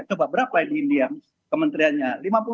coba berapa di india kementeriannya